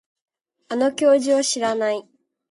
あの教授を知らない